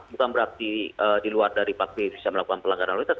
bukan berarti di luar dari partai bisa melakukan pelanggaran lalu lintas